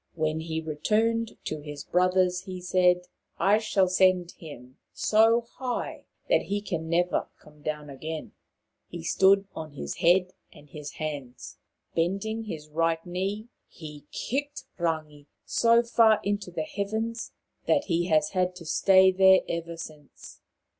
When he returned to his brothers he said : "I shall send him so high that he can never come down again/ ' He stood on his head and hands. Bending his right knee, he kicked Rangi so far into the heavens that he has had to stay there ever since.